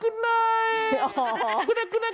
คือก็จะกู๊ดไนท์กู๊ดไนท์